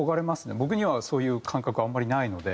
僕にはそういう感覚あんまりないので。